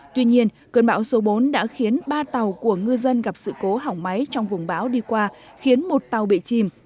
tuy nhiên cơn bão số bốn đã khiến ba tàu của ngư dân gặp sự cố hỏng máy trong vùng bão đi qua khiến một tàu bị chìm